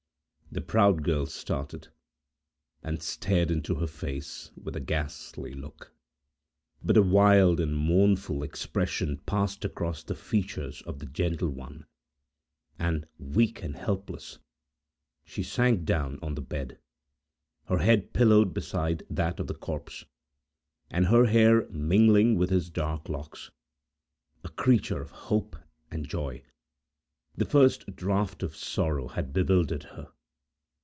The proud girl started, and stared into her face, with a ghastly look. But a wild and mournful expression passed across the features of the gentle one; and, weak and helpless, she sank down on the bed, her head pillowed beside that of the corpse, and her hair mingling with his dark locks. A creature of hope and joy, the first draught of sorrow had bewildered her.